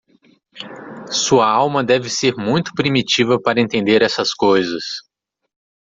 Sua alma deve ser muito primitiva para entender essas coisas.